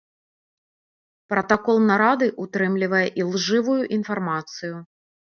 Пратакол нарады ўтрымлівае ілжывую інфармацыю.